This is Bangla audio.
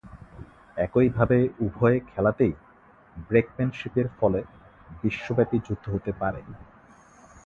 একইভাবে, উভয় খেলাতেই ব্রেকম্যানশিপের ফলে বিশ্বব্যাপী যুদ্ধ হতে পারে।